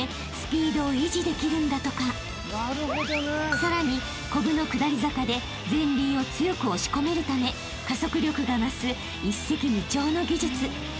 ［さらにコブの下り坂で前輪を強く押し込めるため加速力が増す一石二鳥の技術］